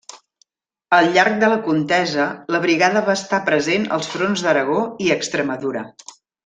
Al llarg de la contesa la brigada va estar present als fronts d'Aragó i Extremadura.